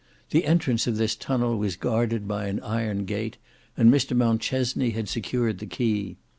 The entrance of this tunnel was guarded by an iron gate, and Mr Mountchesney had secured the key.